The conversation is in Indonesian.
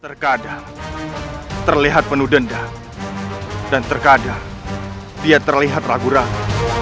terkadang terlihat penuh denda dan terkadang dia terlihat ragu ragu